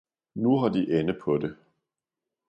Nu har de Ende paa det.